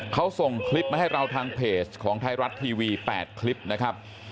เขาส่งคลิปมาให้เราทางเพจของไทยรัฐทีวี๘คลิปนะครับ